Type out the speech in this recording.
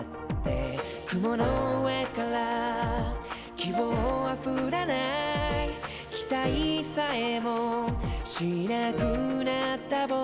「雲の上から希望は降らない」「期待さえもしなくなった僕に」